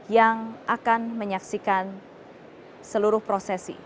yang akan menyaksikan seluruh prosesi